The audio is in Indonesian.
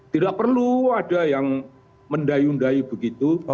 tidak perlu ada yang mendayung dayung begitu